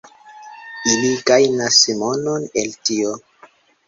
Ili gajnas monon el tio.